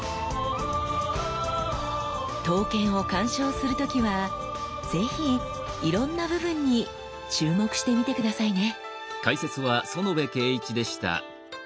刀剣を鑑賞する時は是非いろんな部分に注目してみて下さいね！